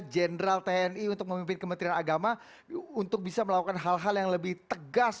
jenderal tni untuk memimpin kementerian agama untuk bisa melakukan hal hal yang lebih tegas